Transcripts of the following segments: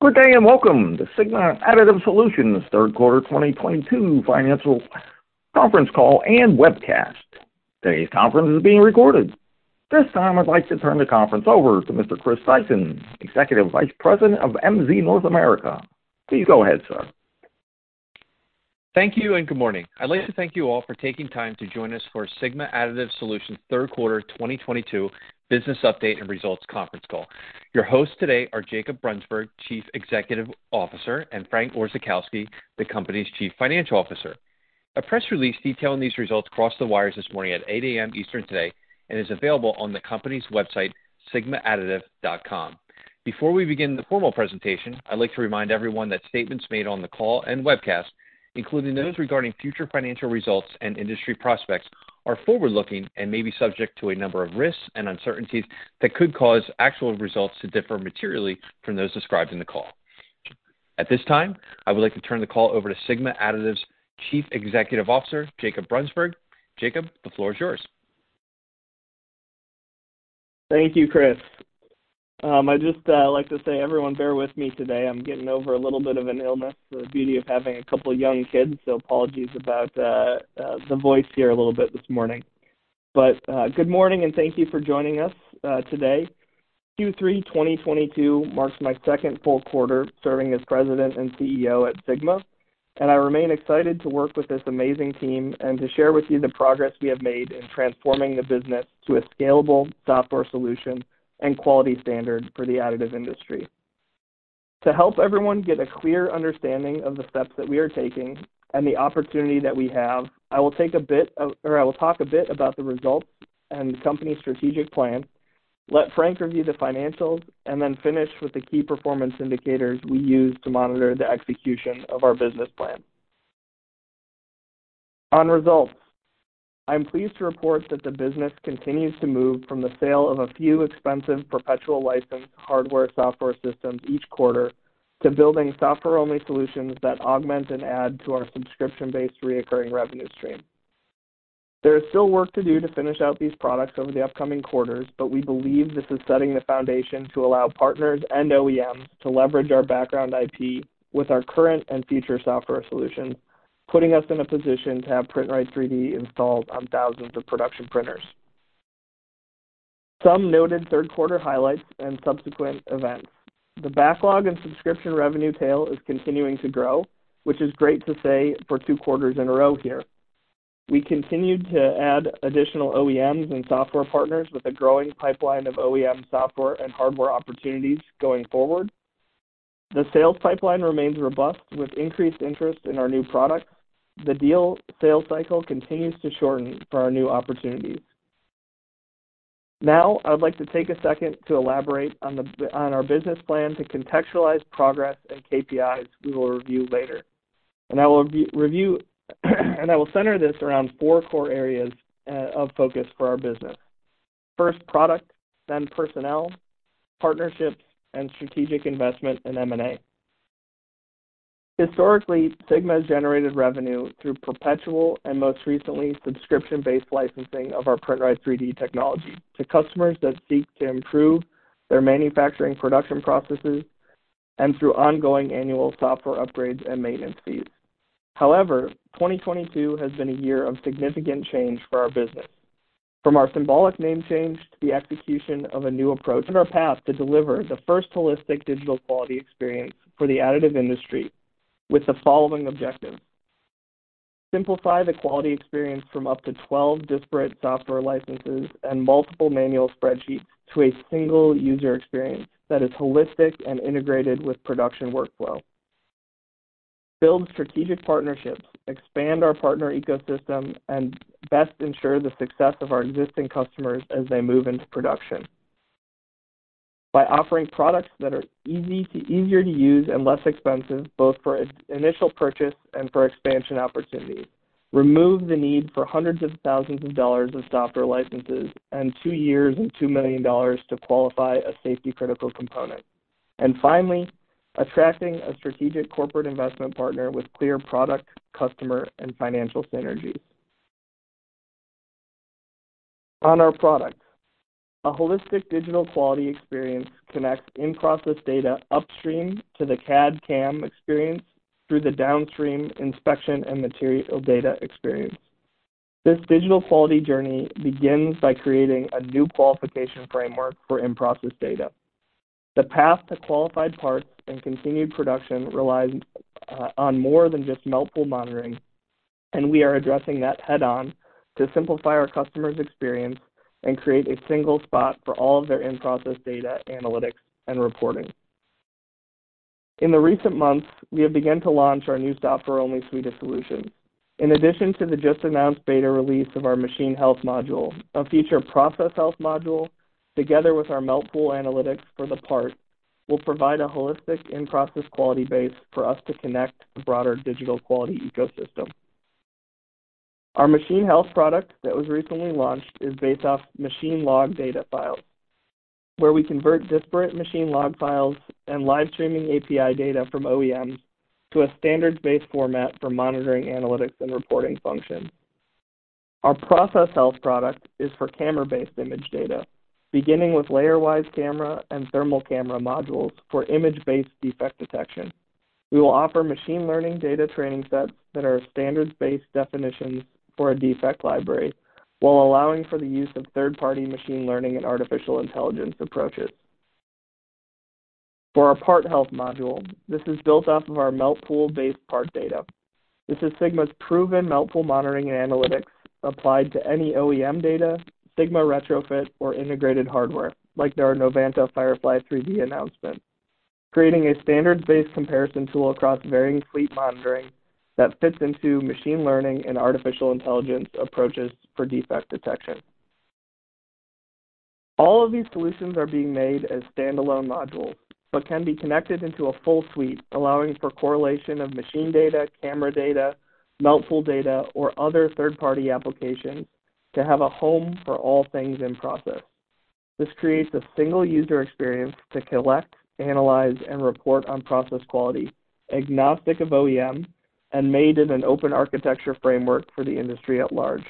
Good day and welcome to Sigma Additive Solutions third quarter 2022 financial conference call and webcast. Today's conference is being recorded. This time, I'd like to turn the conference over to Mr. Chris Tyson, Executive Vice President of MZ North America. Please go ahead, sir. Thank you, and good morning. I'd like to thank you all for taking time to join us for Sigma Additive Solutions third quarter 2022 business update and results conference call. Your hosts today are Jacob Brunsberg, Chief Executive Officer, and Frank Orzechowski, the company's Chief Financial Officer. A press release detailing these results crossed the wires this morning at 8:00 A.M. Eastern today and is available on the company's website, sigmaadditive.com. Before we begin the formal presentation, I'd like to remind everyone that statements made on the call and webcast, including those regarding future financial results and industry prospects, are forward-looking and may be subject to a number of risks and uncertainties that could cause actual results to differ materially from those described in the call. At this time, I would like to turn the call over to Sigma Additive's Chief Executive Officer, Jacob Brunsberg. Jacob, the floor is yours. Thank you, Chris. I'd just like to say, everyone, bear with me today. I'm getting over a little bit of an illness. The beauty of having a couple young kids, so apologies about the voice here a little bit this morning. But good morning, and thank you for joining us today. Q3 2022 marks my second full quarter serving as President and CEO at Sigma, and I remain excited to work with this amazing team and to share with you the progress we have made in transforming the business to a scalable software solution and quality standard for the additive industry. To help everyone get a clear understanding of the steps that we are taking and the opportunity that we have, I will take a bit of. Or I will talk a bit about the results and the company's strategic plan, let Frank review the financials, and then finish with the key performance indicators we use to monitor the execution of our business plan. On results, I'm pleased to report that the business continues to move from the sale of a few expensive perpetual license hardware, software systems each quarter to building software-only solutions that augment and add to our subscription-based recurring revenue stream. There is still work to do to finish out these products over the upcoming quarters, but we believe this is setting the foundation to allow partners and OEMs to leverage our background IP with our current and future software solutions, putting us in a position to have PrintRite3D installed on thousands of production printers. Some noted third quarter highlights and subsequent events. The backlog and subscription revenue tail is continuing to grow, which is great to say for two quarters in a row here. We continued to add additional OEMs and software partners with a growing pipeline of OEM software and hardware opportunities going forward. The sales pipeline remains robust with increased interest in our new products. The deal sales cycle continues to shorten for our new opportunities. Now, I would like to take a second to elaborate on our business plan to contextualize progress and KPIs we will review later. And I will review, and I will center this around four core areas of focus for our business. First, product, then personnel, partnerships, and strategic investment in M&A. Historically, Sigma has generated revenue through perpetual and most recently, subscription-based licensing of our PrintRite3D technology to customers that seek to improve their manufacturing production processes and through ongoing annual software upgrades and maintenance fees. However, 2022 has been a year of significant change for our business, from our symbolic name change to the execution of a new approach on our path to deliver the first holistic digital quality experience for the additive industry with the following objectives. Simplify the quality experience from up to 12 disparate software licenses and multiple manual spreadsheets to a single user experience that is holistic and integrated with production workflow. Build strategic partnerships, expand our partner ecosystem, and best ensure the success of our existing customers as they move into production. By offering products that are easier to use and less expensive, both for initial purchase and for expansion opportunities. Remove the need for hundreds of thousands of dollars of software licenses and two years and $2 million to qualify a safety critical component. And finally, attracting a strategic corporate investment partner with clear product, customer, and financial synergies. On our product, a holistic digital quality experience connects in-process data upstream to the CAD/CAM experience through the downstream inspection and material data experience. This digital quality journey begins by creating a new qualification framework for in-process data. The path to qualified parts and continued production relies on more than just melt pool monitoring, and we are addressing that head-on to simplify our customers' experience and create a single spot for all of their in-process data analytics and reporting. In the recent months, we have begun to launch our new software-only suite of solutions. In addition to the just-announced beta release of our Machine Health module, our future Process Health module, together with our melt pool analytics for the part, will provide a holistic in-process quality base for us to connect the broader digital quality ecosystem. Our Machine Health product that was recently launched is based off machine log data files, where we convert disparate machine log files and live streaming API data from OEMs to a standards-based format for monitoring, analytics, and reporting functions. Our Process Health product is for camera-based image data, beginning with layer-wise camera and thermal camera modules for image-based defect detection. We will offer machine learning data training sets that are standards-based definitions for a defect library while allowing for the use of third-party machine learning and artificial intelligence approaches. For our Part Health module, this is built off of our melt pool-based part data. This is Sigma's proven melt pool monitoring and analytics applied to any OEM data, Sigma retrofit, or integrated hardware like our Novanta Firefly 3D announcement, creating a standards-based comparison tool across varying fleet monitoring that fits into machine learning and artificial intelligence approaches for defect detection. All of these solutions are being made as standalone modules, but can be connected into a full suite, allowing for correlation of machine data, camera data, melt pool data, or other third-party applications to have a home for all things in-process. This creates a single user experience to collect, analyze, and report on process quality agnostic of OEM and made in an open architecture framework for the industry at large.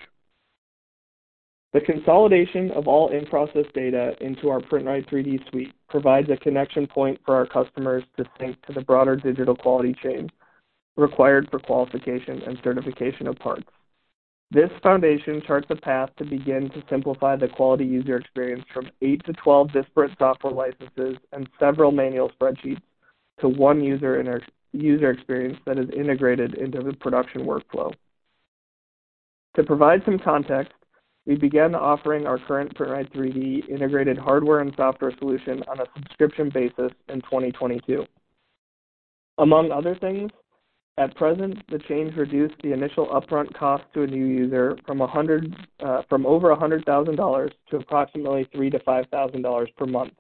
The consolidation of all in-process data into our PrintRite3D suite provides a connection point for our customers distinct to the broader digital quality chain required for qualification and certification of parts. This foundation charts a path to begin to simplify the quality user experience from eight to 12 disparate software licenses and several manual spreadsheets to one user experience that is integrated into the production workflow. To provide some context, we began offering our current PrintRite3D integrated hardware and software solution on a subscription basis in 2022. Among other things, at present, the change reduced the initial upfront cost to a new user from over $100,000 to approximately $3,000-$5,000 per month.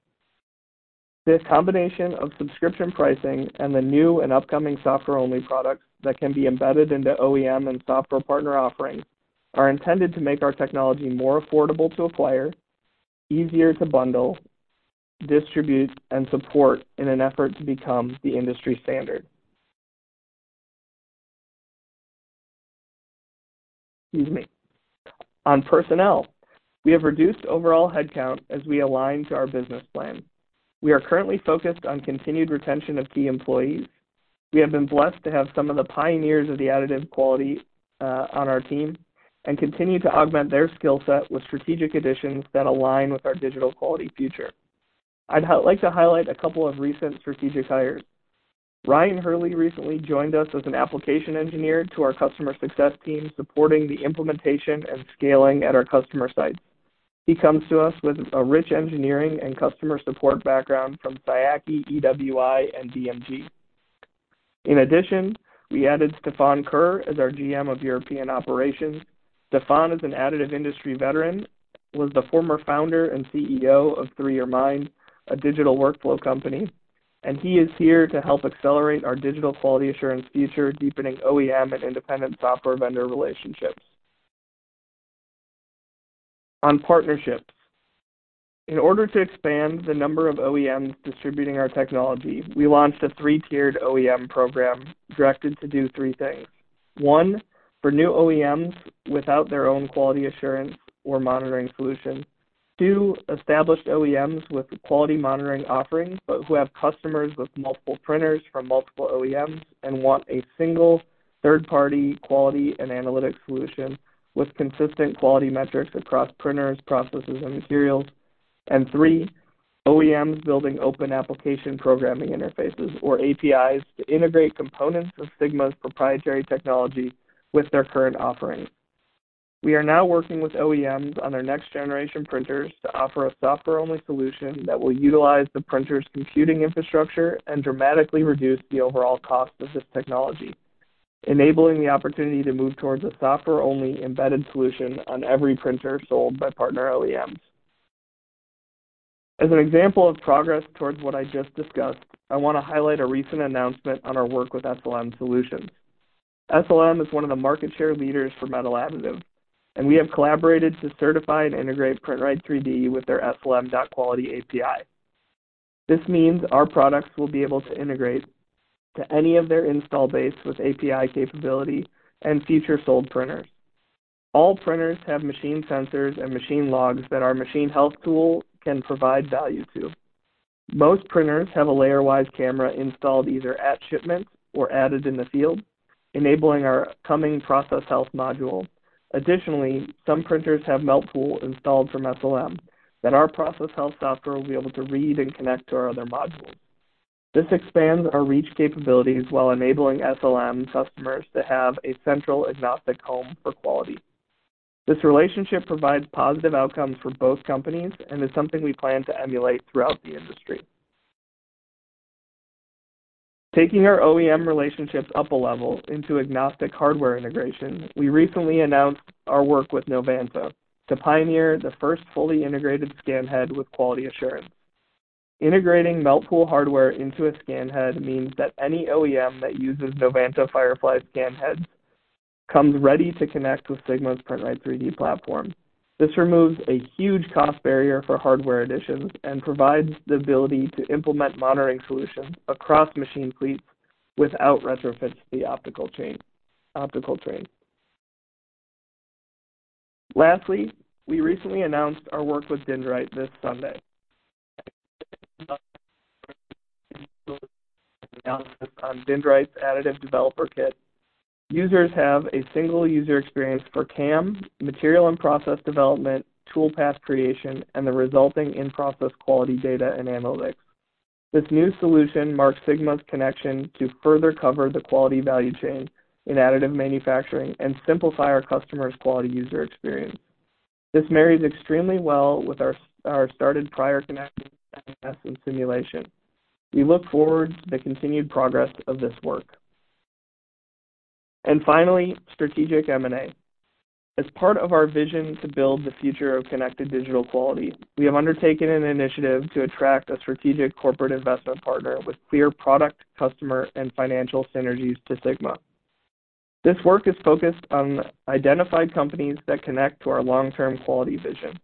This combination of subscription pricing and the new and upcoming software-only products that can be embedded into OEM and software partner offerings are intended to make our technology more affordable to players, easier to bundle, distribute, and support in an effort to become the industry standard. Excuse me. On personnel, we have reduced overall headcount as we align to our business plan. We are currently focused on continued retention of key employees. We have been blessed to have some of the pioneers of the additive quality on our team and continue to augment their skill set with strategic additions that align with our digital quality future. I'd like to highlight a couple of recent strategic hires. Ryan Hurley recently joined us as an application engineer to our customer success team, supporting the implementation and scaling at our customer sites. He comes to us with a rich engineering and customer support background from Sciaky, EWI, and DMG. In addition, we added Stephan Kuehr as our GM of European Operations. Stephan is an additive industry veteran, was the former founder and CEO of 3YOURMIND, a digital workflow company, and he is here to help accelerate our digital quality assurance future, deepening OEM and independent software vendor relationships. On partnerships. In order to expand the number of OEMs distributing our technology, we launched a three-tiered OEM program directed to do three things. One, for new OEMs without their own quality assurance or monitoring solution. Two, established OEMs with quality monitoring offerings, but who have customers with multiple printers from multiple OEMs and want a single third-party quality and analytics solution with consistent quality metrics across printers, processes, and materials. And three, OEMs building open application programming interfaces or APIs to integrate components of Sigma's proprietary technology with their current offerings. We are now working with OEMs on their next-generation printers to offer a software-only solution that will utilize the printer's computing infrastructure and dramatically reduce the overall cost of this technology, enabling the opportunity to move towards a software-only embedded solution on every printer sold by partner OEMs. As an example of progress towards what I just discussed, I want to highlight a recent announcement on our work with SLM Solutions. SLM is one of the market share leaders for metal additive, and we have collaborated to certify and integrate PrintRite3D with their SLM.Quality API. This means our products will be able to integrate to any of their installed base with API capability and future sold printers. All printers have machine sensors and machine logs that our Machine Health tool can provide value to. Most printers have a layer-wise camera installed either at shipment or added in the field, enabling our coming Process Health module. Additionally, some printers have melt pool installed from SLM that our Process Health software will be able to read and connect to our other modules. This expands our reach capabilities while enabling SLM customers to have a central agnostic home for quality. This relationship provides positive outcomes for both companies and is something we plan to emulate throughout the industry. Taking our OEM relationships up a level into agnostic hardware integration, we recently announced our work with Novanta to pioneer the first fully integrated scan head with quality assurance. Integrating melt pool hardware into a scan head means that any OEM that uses Novanta Firefly scan heads comes ready to connect with Sigma's PrintRite3D platform. This removes a huge cost barrier for hardware additions and provides the ability to implement monitoring solutions across machine fleets without retrofitting the optical chain. Lastly, we recently announced our work with Dyndrite this summer. On Dyndrite's app developer kit, users have a single user experience for CAM, material and process development, tool path creation, and the resulting in-process quality data and analytics. This new solution marks Sigma's connection to further cover the quality value chain in additive manufacturing and simplify our customers' quality user experience. This marries extremely well with our strategic prior connections in simulation. We look forward to the continued progress of this work. And finally, strategic M&A. As part of our vision to build the future of connected digital quality, we have undertaken an initiative to attract a strategic corporate investment partner with clear product, customer, and financial synergies to Sigma. This work is focused on identifying companies that connect to our long-term quality vision.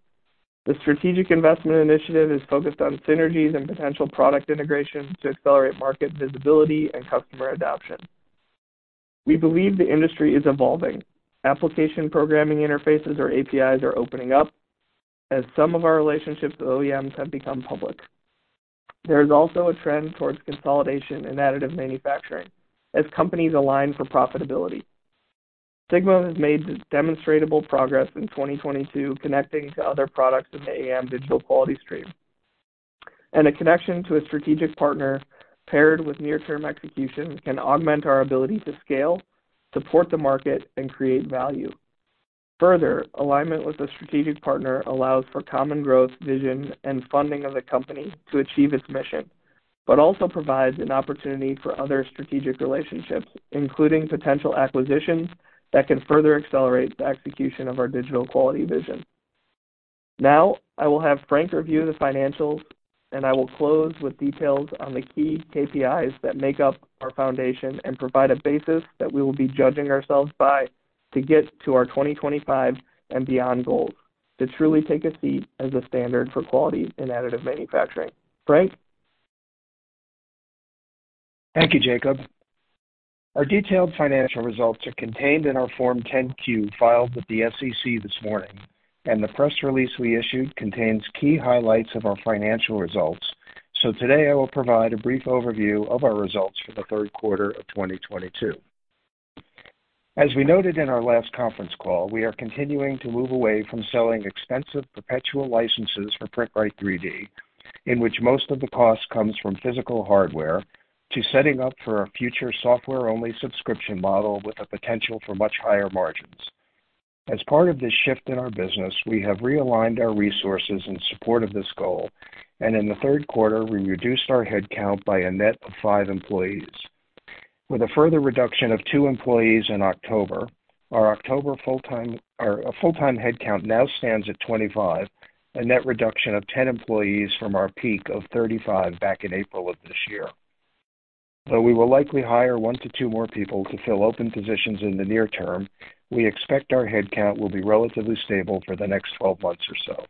The strategic investment initiative is focused on synergies and potential product integration to accelerate market visibility and customer adoption. We believe the industry is evolving. Application programming interfaces or APIs are opening up as some of our relationships with OEMs have become public. There is also a trend towards consolidation in additive manufacturing as companies align for profitability. Sigma has made this demonstrable progress in 2022 connecting to other products in the AM digital quality stream. A connection to a strategic partner paired with near-term execution can augment our ability to scale, support the market, and create value. Further, alignment with a strategic partner allows for common growth, vision, and funding of the company to achieve its mission, but also provides an opportunity for other strategic relationships, including potential acquisitions that can further accelerate the execution of our digital quality vision. Now, I will have Frank review the financials, and I will close with details on the key KPIs that make up our foundation and provide a basis that we will be judging ourselves by to get to our 2025 and beyond goals to truly take a seat as a standard for quality in additive manufacturing. Frank? Thank you, Jacob. Our detailed financial results are contained in our Form 10-Q filed with the SEC this morning, and the press release we issued contains key highlights of our financial results. So today, I will provide a brief overview of our results for the third quarter of 2022. As we noted in our last conference call, we are continuing to move away from selling expensive perpetual licenses for PrintRite3D, in which most of the cost comes from physical hardware to setting up for our future software-only subscription model with a potential for much higher margins. As part of this shift in our business, we have realigned our resources in support of this goal, and in the third quarter, we reduced our headcount by a net of five employees. With a further reduction of two employees in October, our October full-time... Our full-time headcount now stands at 25, a net reduction of 10 employees from our peak of 35 back in April of this year. Though we will likely hire one to two more people to fill open positions in the near term, we expect our headcount will be relatively stable for the next 12 months or so.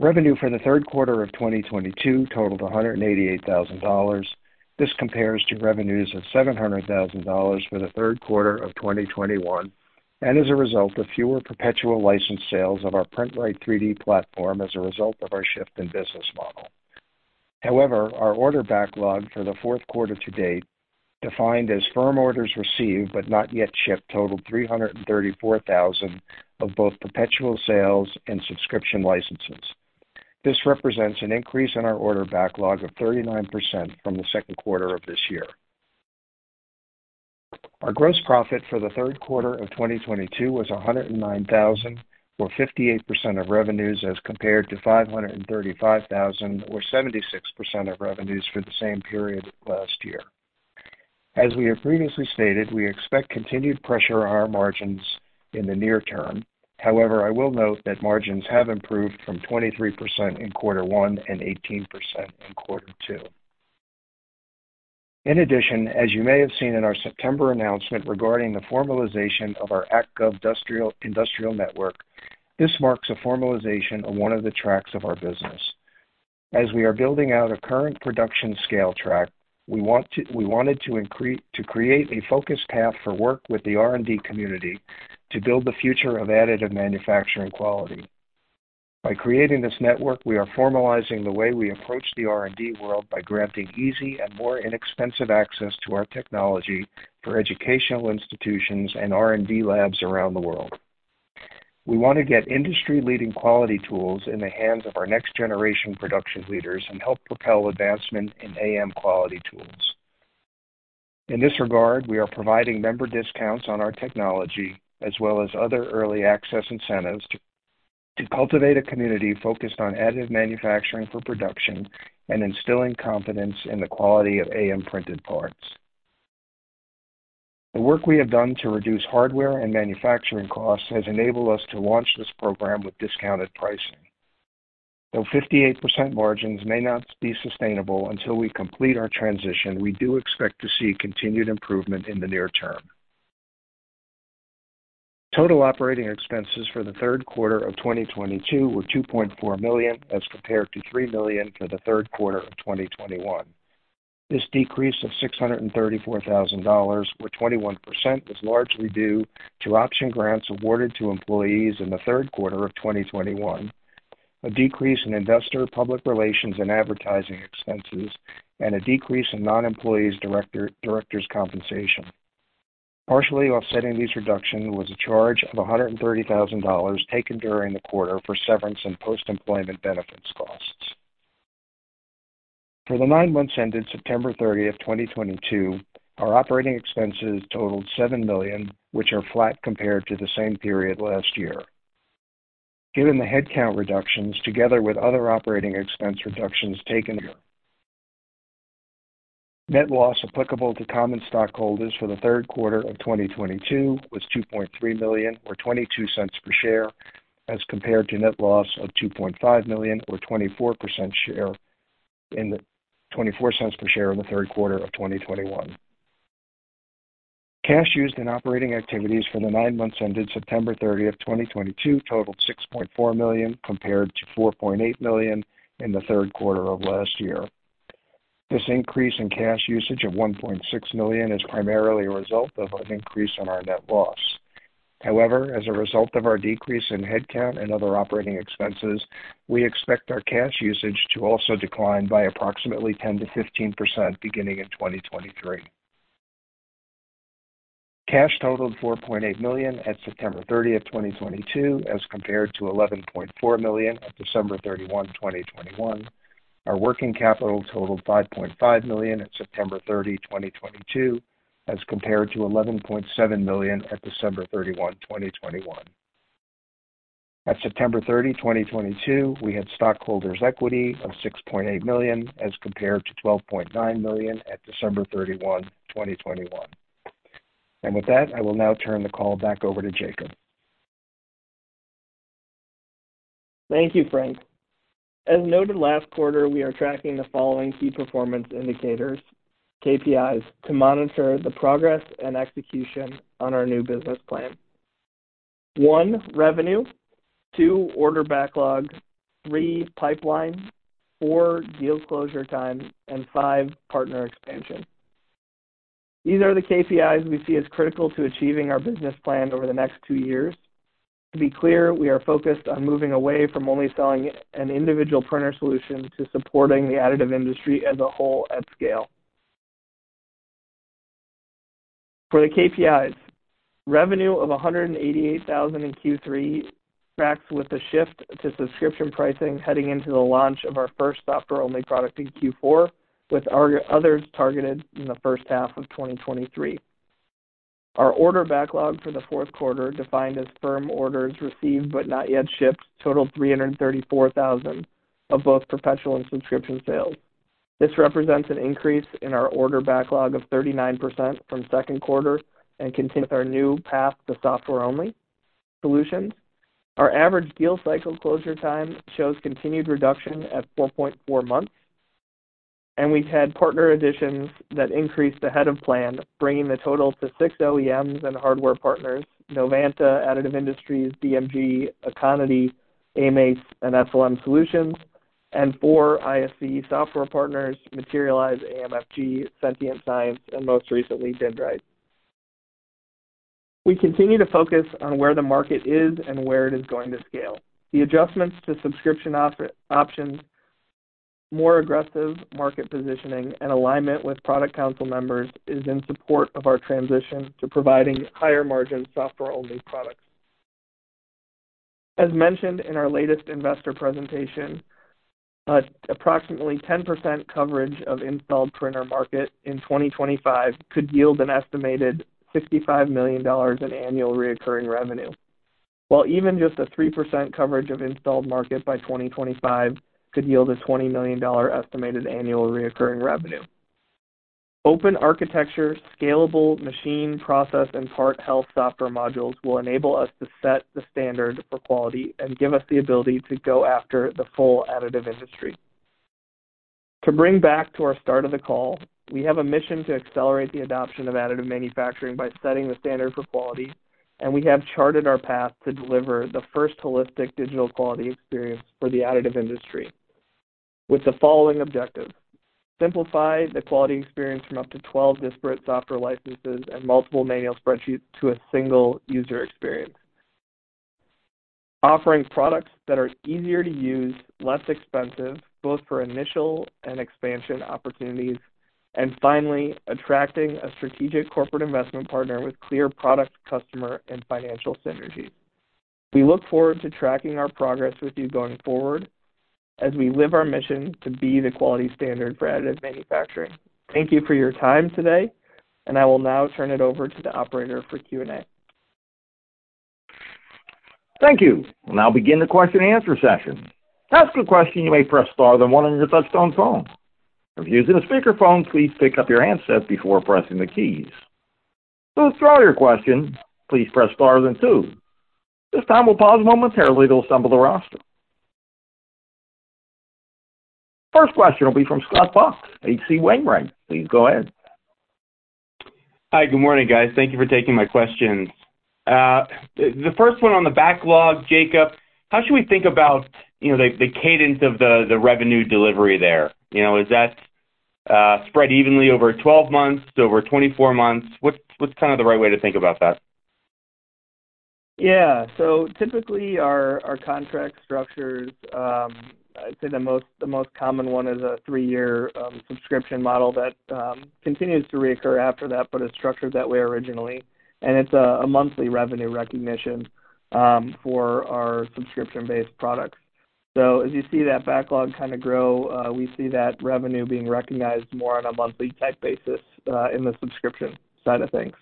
Revenue for the third quarter of 2022 totaled $188,000. This compares to revenues of $700,000 for the third quarter of 2021, and as a result of fewer perpetual license sales of our PrintRite3D platform as a result of our shift in business model. However, our order backlog for the fourth quarter to date, defined as firm orders received but not yet shipped, totaled $334,000 of both perpetual sales and subscription licenses. This represents an increase in our order backlog of 39% from the second quarter of this year. Our gross profit for the third quarter of 2022 was $109,000 or 58% of revenues, as compared to $535,000 or 76% of revenues for the same period last year. As we have previously stated, we expect continued pressure on our margins in the near term. However, I will note that margins have improved from 23% in quarter one and 18% in quarter two. In addition, as you may have seen in our September announcement regarding the formalization of our AcGovDustrial Network, this marks a formalization of one of the tracks of our business. As we are building out a current production scale track, we want to create a focused path for work with the R&D community to build the future of additive manufacturing quality. By creating this network, we are formalizing the way we approach the R&D world by granting easy and more inexpensive access to our technology for educational institutions and R&D labs around the world. We want to get industry-leading quality tools in the hands of our next generation production leaders and help propel advancement in AM quality tools. In this regard, we are providing member discounts on our technology as well as other early access incentives to cultivate a community focused on additive manufacturing for production and instilling confidence in the quality of AM-printed parts. The work we have done to reduce hardware and manufacturing costs has enabled us to launch this program with discounted pricing. Though 58% margins may not be sustainable until we complete our transition, we do expect to see continued improvement in the near term. Total operating expenses for the third quarter of 2022 were $2.4 million as compared to $3 million for the third quarter of 2021. This decrease of $634,000, or 21% is largely due to option grants awarded to employees in the third quarter of 2021. A decrease in investor public relations and advertising expenses and a decrease in non-employee directors' compensation. Partially offsetting these reduction was a charge of $130,000 taken during the quarter for severance and post-employment benefits costs. For the nine months ended September 30th, 2022, our operating expenses totaled $7 million, which are flat compared to the same period last year. Given the headcount reductions together with other operating expense reductions taken here. Net loss applicable to common stockholders for the third quarter of 2022 was $2.3 million or $0.22 per share, as compared to net loss of $2.5 million or $0.24 per share in the third quarter of 2021. Cash used in operating activities for the nine months ended September 30th, 2022 totaled $6.4 million compared to $4.8 million in the third quarter of last year. This increase in cash usage of $1.6 million is primarily a result of an increase in our net loss. However, as a result of our decrease in headcount and other operating expenses, we expect our cash usage to also decline by approximately 10%-15% beginning in 2023. Cash totaled $4.8 million at September 30th, 2022, as compared to $11.4 million at December 31, 2021. Our working capital totaled $5.5 million at September 30, 2022, as compared to $11.7 million at December 31, 2021. At September 30, 2022, we had stockholders equity of $6.8 million as compared to $12.9 million at December 31, 2021. With that, I will now turn the call back over to Jacob. Thank you, Frank. As noted last quarter, we are tracking the following key performance indicators, KPIs, to monitor the progress and execution on our new business plan. One, revenue. Two, order backlog. Three, pipeline. Four, deal closure time. And five, partner expansion. These are the KPIs we see as critical to achieving our business plan over the next two years. To be clear, we are focused on moving away from only selling an individual printer solution to supporting the additive industry as a whole at scale. For the KPIs, revenue of $188,000 in Q3 tracks with the shift to subscription pricing heading into the launch of our first software-only product in Q4, with our others targeted in the first half of 2023. Our order backlog for the fourth quarter, defined as firm orders received but not yet shipped, totaled 334,000 of both perpetual and subscription sales. This represents an increase in our order backlog of 39% from second quarter and continue with our new path to software-only solutions. Our average deal cycle closure time shows continued reduction at 4.4 months, and we've had partner additions that increased ahead of plan, bringing the total to six OEMs and hardware partners, Novanta, Additive Industries, DMG, Aconity, AMACE, and SLM Solutions. And four ISV software partners, Materialise, AMFG, Sentient Science, and most recently, Dyndrite. We continue to focus on where the market is and where it is going to scale. The adjustments to subscription options, more aggressive market positioning, and alignment with product council members is in support of our transition to providing higher-margin software-only products. As mentioned in our latest investor presentation, approximately 10% coverage of installed printer market in 2025 could yield an estimated $55 million in annual recurring revenue. While even just a 3% coverage of installed market by 2025 could yield a $20 million estimated annual recurring revenue. Open architecture, scalable machine process and Part Health software modules will enable us to set the standard for quality and give us the ability to go after the full additive industry. To bring back to our start of the call, we have a mission to accelerate the adoption of additive manufacturing by setting the standard for quality, and we have charted our path to deliver the first holistic digital quality experience for the additive industry. With the following objective. Simplify the quality experience from up to 12 disparate software licenses and multiple manual spreadsheets to a single user experience. Offering products that are easier to use, less expensive, both for initial and expansion opportunities. And finally, attracting a strategic corporate investment partner with clear product, customer, and financial synergies. We look forward to tracking our progress with you going forward as we live our mission to be the quality standard for additive manufacturing. Thank you for your time today, and I will now turn it over to the operator for Q&A. Thank you. We'll now begin the question-and-answer session. To ask a question, you may press star then one on your touchtone phone. If you're using a speakerphone, please pick up your handset before pressing the keys. To withdraw your question, please press star then two. This time we'll pause momentarily to assemble the roster. First question will be from Scott Buck, H.C. Wainwright. Please go ahead. Hi. Good morning, guys. Thank you for taking my questions. The first one on the backlog, Jacob, how should we think about, you know, the cadence of the revenue delivery there? You know, is that spread evenly over 12 months, over 24 months? What's kinda the right way to think about that? Yeah. So typically our contract structures, I'd say the most common one is a three-year subscription model that continues to reoccur after that, but it's structured that way originally. And it's a monthly revenue recognition for our subscription-based products. So as you see that backlog kinda grow, we see that revenue being recognized more on a monthly type basis in the subscription side of things.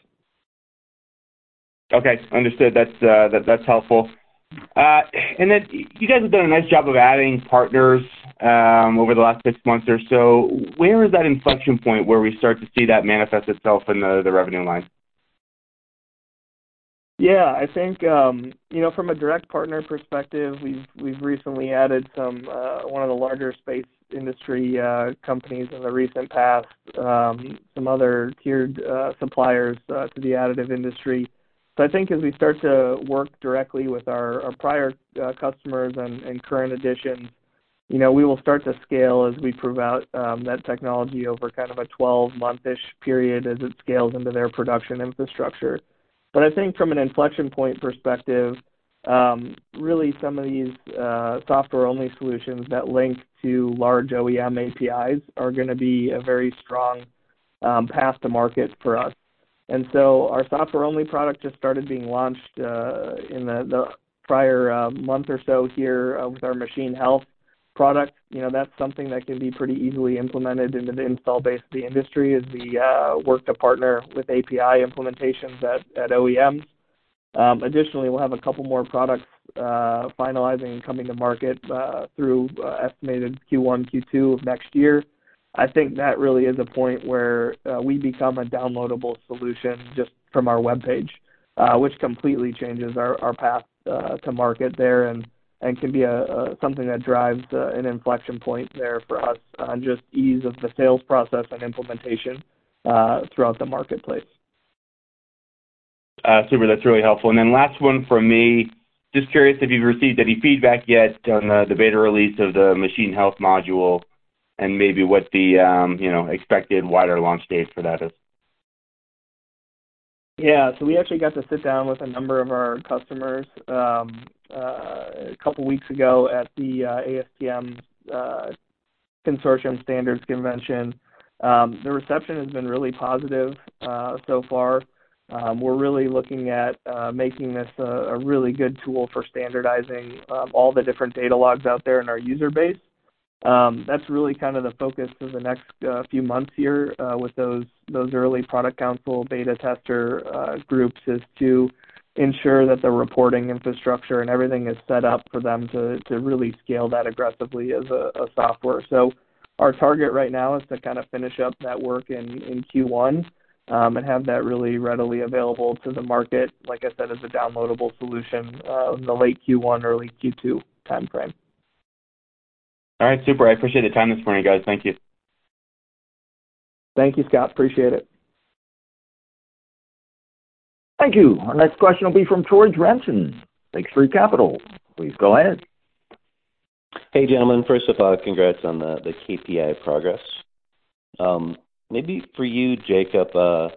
Okay. Understood. That's helpful. And you guys have done a nice job of adding partners over the last six months or so. Where is that inflection point where we start to see that manifest itself in the revenue line? Yeah. I think, you know, from a direct partner perspective, we've recently added some, one of the larger space industry, companies in the recent past, some other tiered, suppliers, to the additive industry. I think as we start to work directly with our prior, customers and current additions, you know, we will start to scale as we prove out, that technology over kind of a 12-month-ish period as it scales into their production infrastructure. But I think from an inflection point perspective, really some of these, software-only solutions that link to large OEM APIs are gonna be a very strong, path to market for us. And so our software-only product just started being launched, in the prior, month or so here, with our Machine Health product. You know, that's something that can be pretty easily implemented into the install base of the industry as we work to partner with API implementations at OEMs. Additionally, we'll have a couple more products finalizing and coming to market through estimated Q1, Q2 of next year. I think that really is a point where we become a downloadable solution just from our webpage, which completely changes our path to market there and can be something that drives an inflection point there for us on just ease of the sales process and implementation throughout the marketplace. Super, that's really helpful. Last one from me. Just curious if you've received any feedback yet on the beta release of the Machine Health module and maybe what the expected wider launch date for that is? Yeah. So we actually got to sit down with a number of our customers, a couple weeks ago at the ASTM Consortium Standards Convention. The reception has been really positive so far. We're really looking at making this a really good tool for standardizing all the different data logs out there in our user base. That's really kind of the focus for the next few months here, with those early product council beta tester groups, is to ensure that the reporting infrastructure and everything is set up for them to really scale that aggressively as a software. Our target right now is to kind of finish up that work in Q1, and have that really readily available to the market, like I said, as a downloadable solution, in the late Q1, early Q2 timeframe. All right. Super. I appreciate the time this morning, guys. Thank you. Thank you, Scott. Appreciate it. Thank you. Our next question will be from Troy Jensen, Lake Street Capital. Please go ahead. Hey, gentlemen. First of all, congrats on the KPI progress. Maybe for you, Jacob, well,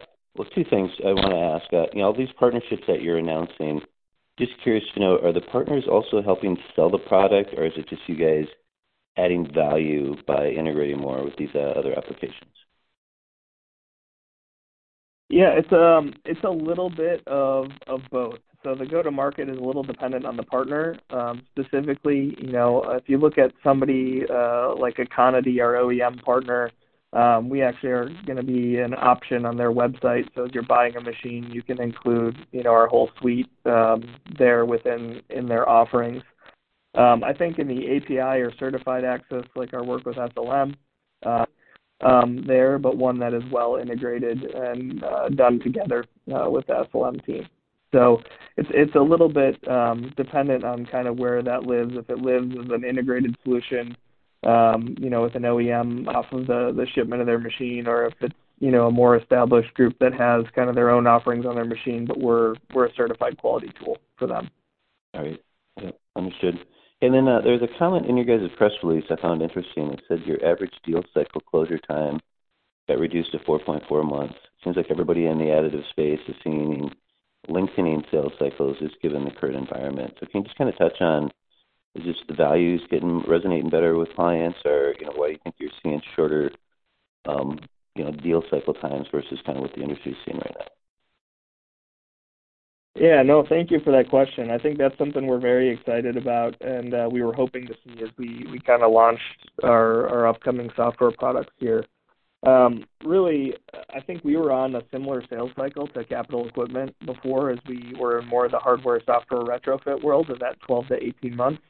two things I wanna ask. You know, all these partnerships that you're announcing, just curious to know, are the partners also helping sell the product, or is it just you guys adding value by integrating more with these other applications? Yeah. It's a little bit of both. The go-to-market is a little dependent on the partner. Specifically, you know, if you look at somebody like Aconity, our OEM partner, we actually are gonna be an option on their website. So if you're buying a machine, you can include, you know, our whole suite there within their offerings. I think in the API or certified access, like our work with SLM, there but one that is well integrated and done together with the SLM team. It's a little bit dependent on kind of where that lives, if it lives as an integrated solution, you know, with an OEM off of the shipment of their machine or if it's, you know, a more established group that has kind of their own offerings on their machine, but we're a certified quality tool for them. All right. Yep. Understood. There's a comment in your guys' press release I found interesting. It said your average deal cycle closure time got reduced to 4.4 months. Seems like everybody in the additive space is seeing lengthening sales cycles just given the current environment. Can you just kinda touch on, is this the values getting resonating better with clients or, you know, why you think you're seeing shorter, you know, deal cycle times versus kind of what the industry is seeing right now? Yeah. No, thank you for that question. I think that's something we're very excited about and we were hoping to see as we kinda launched our upcoming software products here. Really, I think we were on a similar sales cycle to capital equipment before as we were more of the hardware, software retrofit world of that 12-18 months.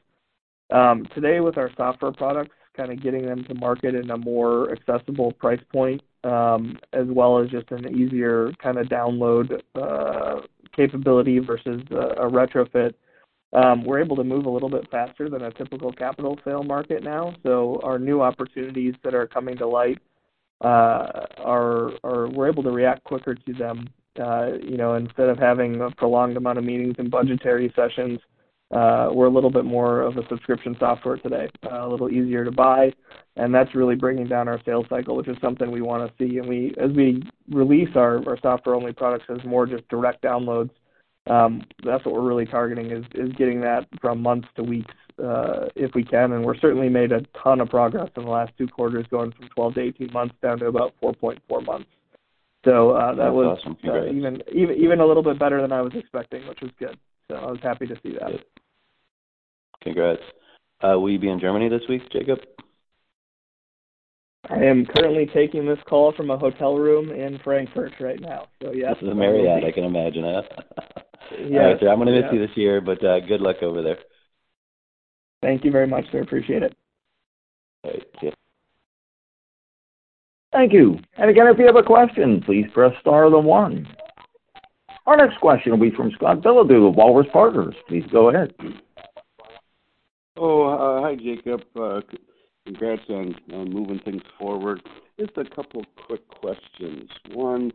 Today with our software products, kinda getting them to market in a more accessible price point, as well as just an easier kinda download capability versus a retrofit, we're able to move a little bit faster than a typical capital sale market now. So ur new opportunities that are coming to light are. We're able to react quicker to them, you know, instead of having a prolonged amount of meetings and budgetary sessions, we're a little bit more of a subscription software today, a little easier to buy, and that's really bringing down our sales cycle, which is something we wanna see. As we release our software-only products as more just direct downloads, that's what we're really targeting is getting that from months to weeks, if we can. We're certainly made a ton of progress in the last two quarters, going from 12-18 months down to about 4.4 months. That was- That's awesome. Congrats. Even a little bit better than I was expecting, which was good. I was happy to see that. Congrats. Will you be in Germany this week, Jacob? I am currently taking this call from a hotel room in Frankfurt right now, so yes. This is the Marriott, I can imagine. Yes. All right. I'm gonna miss you this year, but, good luck over there. Thank you very much, sir. Appreciate it. All right. Thank you. Thank you. Again, if you have a question, please press star then one. Our next question will be from Scott Billeadeau of Walrus Partners. Please go ahead. Oh. Hi, Jacob. Congrats on moving things forward. Just a couple of quick questions. One,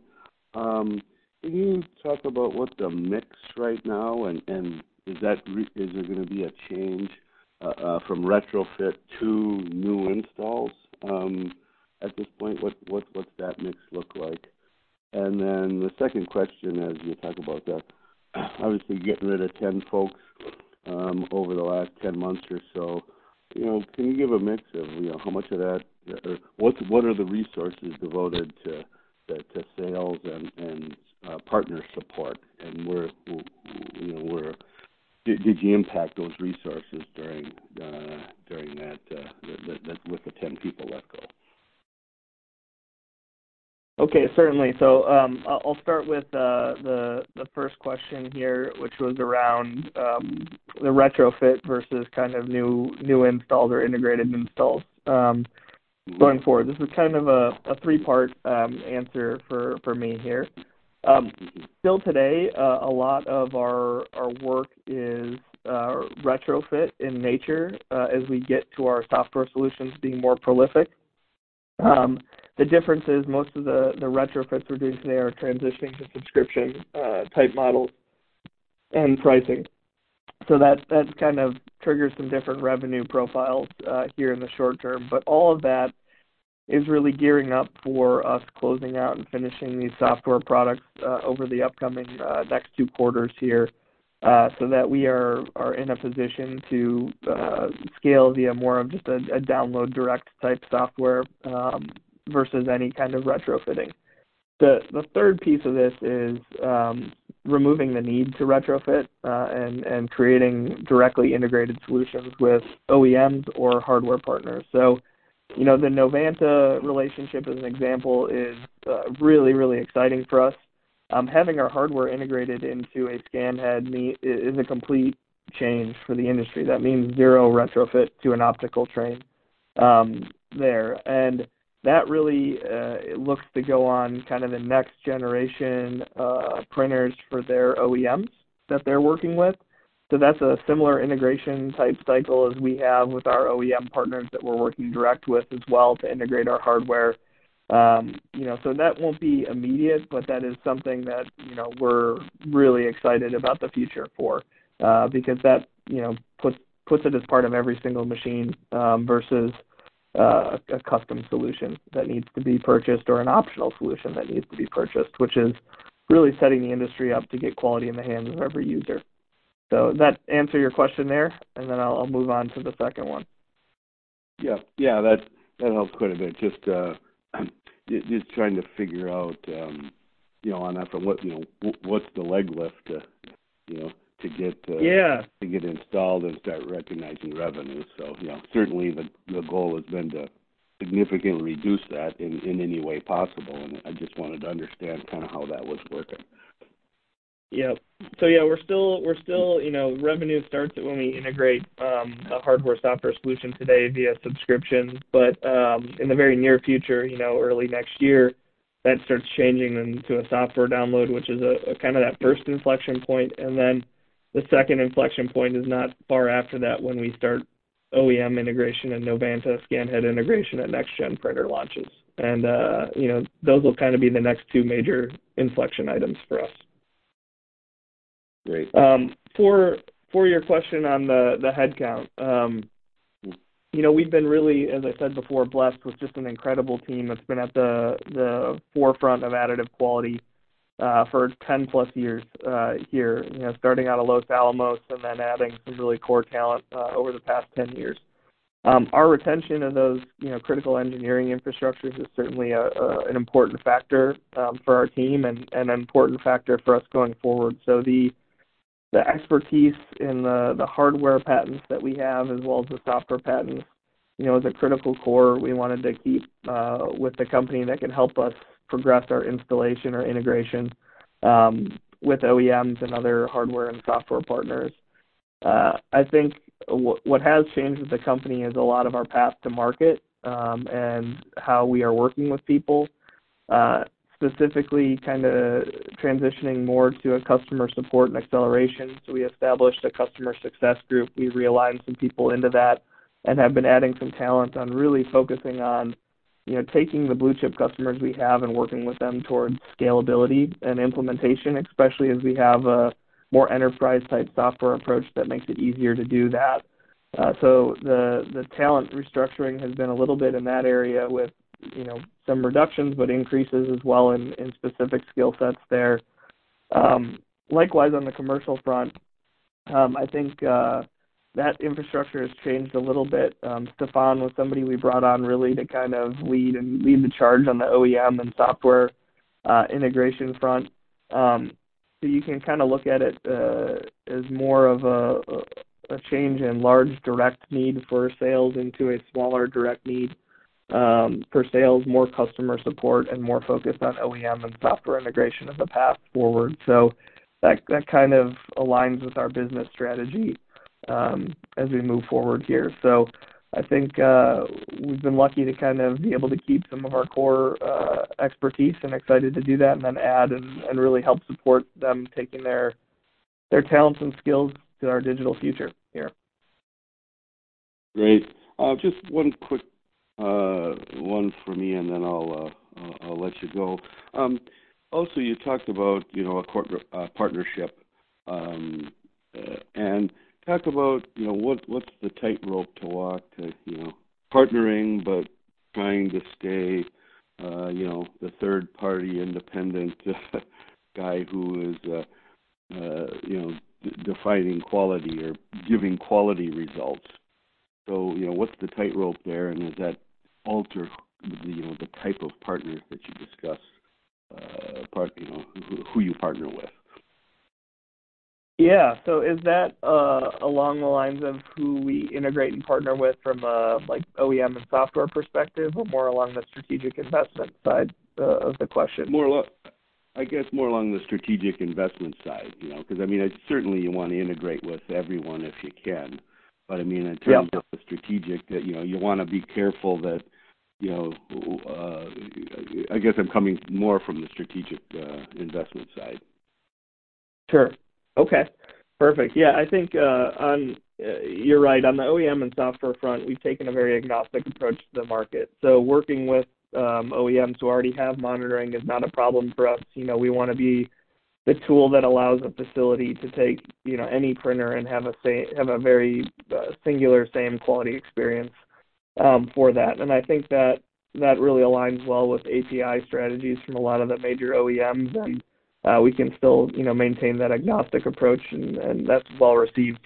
can you talk about what the mix right now and is there gonna be a change from retrofit to new installs at this point? What's that mix look like? And then the second question, as you talk about that, obviously getting rid of 10 folks over the last 10 months or so, you know, can you give a mix of, you know, how much of that or what are the resources devoted to sales and partner support? And where did you impact those resources during that with the 10 people let go? Okay, certainly. So I'll start with the first question here, which was around the retrofit versus kind of new installs or integrated installs going forward. This is kind of a three-part answer for me here. Still today, a lot of our work is retrofit in nature, as we get to our software solutions being more prolific. The difference is most of the retrofits we're doing today are transitioning to subscription type models and pricing. That kind of triggers some different revenue profiles here in the short term. All of that is really gearing up for us closing out and finishing these software products over the upcoming next two quarters here so that we are in a position to scale via more of just a download direct type software versus any kind of retrofitting. The third piece of this is removing the need to retrofit and creating directly integrated solutions with OEMs or hardware partners. You know, the Novanta relationship, as an example, is really exciting for us. Having our hardware integrated into a scan head is a complete change for the industry. That means zero retrofit to an optical train there. That really looks to go on kind of the next generation printers for their OEMs that they're working with. That's a similar integration type cycle as we have with our OEM partners that we're working directly with as well to integrate our hardware. You know, that won't be immediate, but that is something that, you know, we're really excited about the future for, because that, you know, puts it as part of every single machine, versus a custom solution that needs to be purchased or an optional solution that needs to be purchased, which is really setting the industry up to get quality in the hands of every user. Does that answer your question there? And then I'll move on to the second one. Yeah. Yeah, that helps quite a bit. Just trying to figure out, you know, on after what, you know, what's the leg lift, you know, to get. Yeah. To get installed and start recognizing revenue. You know, certainly the goal has been to significantly reduce that in any way possible, and I just wanted to understand kind of how that was working. Yep. Yeah, we're still, you know, revenue starts when we integrate a hardware software solution today via subscription. In the very near future, you know, early next year, that starts changing then to a software download, which is a kind of that first inflection point. And then the second inflection point is not far after that, when we start OEM integration and Novanta scan head integration at next gen printer launches. You know, those will kind of be the next two major inflection items for us. Great. For your question on the headcount, you know, we've been really, as I said before, blessed with just an incredible team that's been at the forefront of additive quality for 10+ years here. You know, starting out of Los Alamos and then adding some really core talent over the past 10 years. Our retention of those, you know, critical engineering infrastructures is certainly an important factor for our team and an important factor for us going forward. So the expertise in the hardware patents that we have as well as the software patents, you know, is a critical core we wanted to keep with the company that can help us progress our installation or integration with OEMs and other hardware and software partners. I think what has changed with the company is a lot of our path to market, and how we are working with people, specifically kind of transitioning more to a customer support and acceleration. We established a customer success group. We realigned some people into that and have been adding some talent, really focusing on, you know, taking the blue-chip customers we have and working with them towards scalability and implementation, especially as we have a more enterprise-type software approach that makes it easier to do that. The talent restructuring has been a little bit in that area with, you know, some reductions, but increases as well in specific skill sets there. Likewise on the commercial front, I think that infrastructure has changed a little bit. Stephan was somebody we brought on really to kind of lead the charge on the OEM and software integration front. So you can kind of look at it as more of a change in large direct need for sales into a smaller direct need for sales, more customer support and more focused on OEM and software integration as a path forward. So that kind of aligns with our business strategy as we move forward here. So I think we've been lucky to kind of be able to keep some of our core expertise and excited to do that and then add really help support them taking their talents and skills to our digital future here. Great. Just one quick one for me, and then I'll let you go. Also you talked about, you know, a corporate partnership, and talk about, you know, what's the tightrope to walk to, you know, partnering but trying to stay, you know, the third-party independent guy who is, you know, defining quality or giving quality results. So you know, what's the tightrope there? Does that alter the, you know, the type of partners that you discuss, partnerships you know who you partner with? Yeah. So is that along the lines of who we integrate and partner with from a, like, OEM and software perspective or more along the strategic investment side of the question? More or less, I guess more along the strategic investment side, you know, because, I mean, certainly you want to integrate with everyone if you can. I mean- Yeah. In terms of the strategy that, you know, you wanna be careful that, you know, I guess I'm coming more from the strategic investment side. Sure. Okay, perfect. Yeah. I think on you're right. On the OEM and software front, we've taken a very agnostic approach to the market. Working with OEMs who already have monitoring is not a problem for us. You know, we wanna be the tool that allows a facility to take, you know, any printer and have a very singular same quality experience for that. I think that really aligns well with API strategies from a lot of the major OEMs. We can still, you know, maintain that agnostic approach, and that's well-received.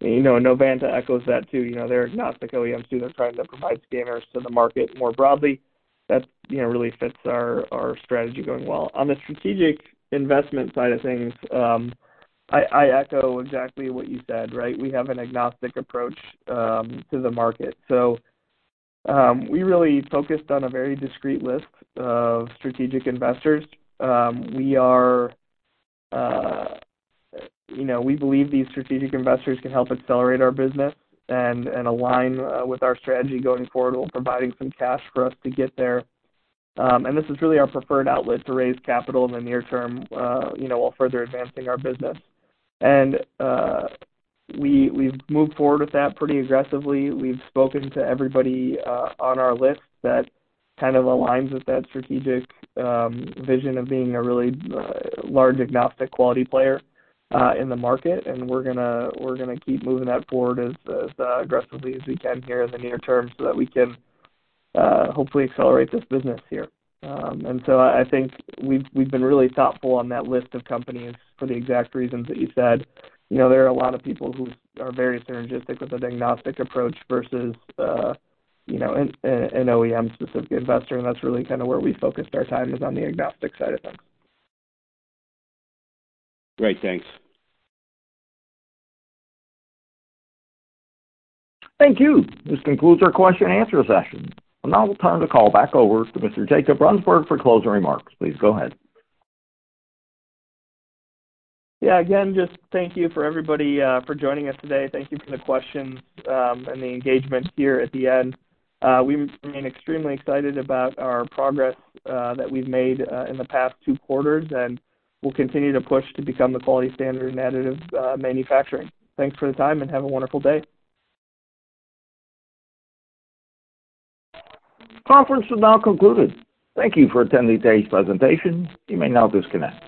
You know, Novanta echoes that too. You know, they're agnostic OEMs too. They're trying to provide scanners to the market more broadly. That, you know, really fits our strategy going well. On the strategic investment side of things, I echo exactly what you said, right? We have an agnostic approach to the market. We really focused on a very discreet list of strategic investors. We are, you know, we believe these strategic investors can help accelerate our business and align with our strategy going forward while providing some cash for us to get there. This is really our preferred outlet to raise capital in the near term, you know, while further advancing our business. And we've moved forward with that pretty aggressively. We've spoken to everybody on our list that kind of aligns with that strategic vision of being a really large agnostic quality player in the market. And we're gonna keep moving that forward as aggressively as we can here in the near term so that we can hopefully accelerate this business here. And so I think we've been really thoughtful on that list of companies for the exact reasons that you said. You know, there are a lot of people who are very synergistic with an agnostic approach versus you know, an OEM-specific investor. That's really kind of where we focused our time is on the agnostic side of things. Great. Thanks. Thank you. This concludes our question-and-answer session. I'll now turn the call back over to Mr. Jacob Brunsberg for closing remarks. Please go ahead. Yeah. Again, just thank you for everybody for joining us today. Thank you for the questions and the engagement here at the end. We remain extremely excited about our progress that we've made in the past two quarters, and we'll continue to push to become the quality standard in additive manufacturing. Thanks for the time, and have a wonderful day. Conference is now concluded. Thank you for attending today's presentation. You may now disconnect.